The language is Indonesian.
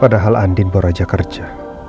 padahal andin baru aja kerja